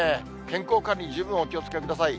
健康管理、十分お気をつけください。